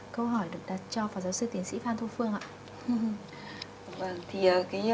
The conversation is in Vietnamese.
câu hỏi được đặt cho phó giáo sư tiến sĩ phan thu phương ạ